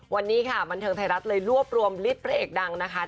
วันนี้ค่ะบันเทิงไทยรัฐเลยรวบรวมลิตรพระเอกดังนะคะ